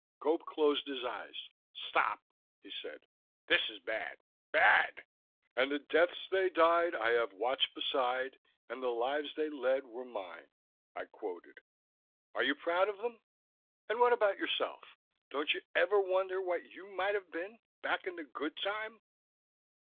Gope closed his eyes. "Stop," he said. "This is bad, bad...." "'And the deaths they died I have watched beside, and the lives they led were mine,'" I quoted. "Are you proud of them? And what about yourself? Don't you ever wonder what you might have been ... back in the Good Time?"